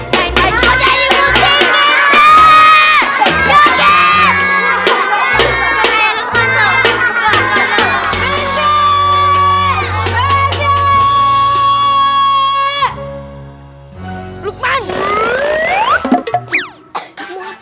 mau jadi musik gendeng